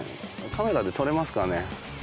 カメラで撮れますかね？